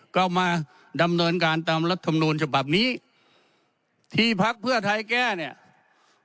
ก็มาดำเนินการตามรัฐมนูญฉบับนี้ที่พักเพื่อไทยแก้เนี่ย